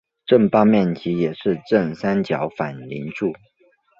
正八面体也是正三角反棱柱。